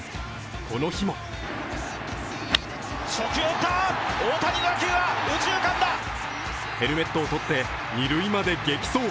この日も、ヘルメットをとって二塁まで激走。